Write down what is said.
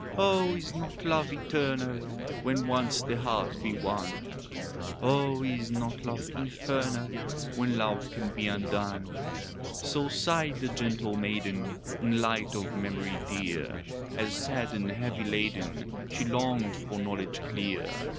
"Oh, is not love eternal When once the heart be won? Oh, is not love infernal When love can be undone?" So sighed a gentle maiden In light of memory dear, As, sad and heavy laden, She longed for knowledge clear.